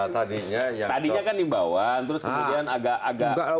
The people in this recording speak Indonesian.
tadinya kan imbauan terus kemudian agak agak